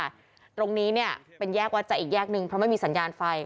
ตรงนี้เนี่ยเป็นแยกวัดใจอีกแยกนึงเพราะไม่มีสัญญาณไฟ